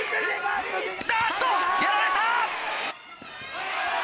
あっとやられた！